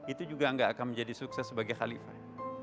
itu juga nggak akan menjadi sukses sebagai khalifah